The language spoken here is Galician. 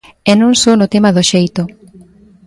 E non só no tema do xeito.